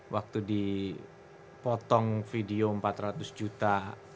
waktu dipotong video empat ratus juta